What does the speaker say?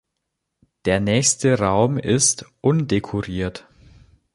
Der nächste Raum ist undekoriert.